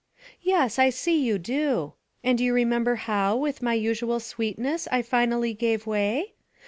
'Yes, I see you do. And you remember how, with my usual sweetness, I finally gave way?